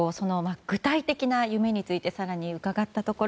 具体的な夢について更に伺ったところ